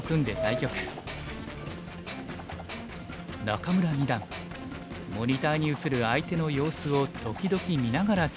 仲邑二段モニターに映る相手の様子を時々見ながら着手していました。